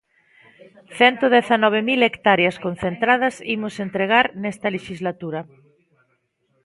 Cento dezanove mil hectáreas concentradas imos entregar nesta lexislatura.